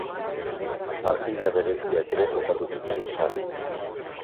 Partida bereziak ere jokatu zituen sarri.